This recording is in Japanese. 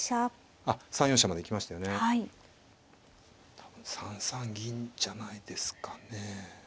多分３三銀じゃないですかね。